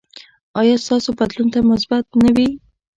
ایا ستاسو بدلون به مثبت نه وي؟